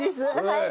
はい。